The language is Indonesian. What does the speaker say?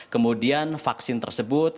kemudian vaksin tersebut